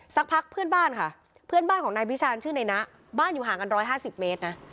สักพักเพื่อนบ้านค่ะเพื่อนบ้านของนายวิชาณชื่อในนะบ้านอยู่ห่างกัน๑๕๐เมตรนะ